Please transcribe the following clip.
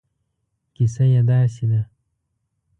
کیسه یې داسې ده.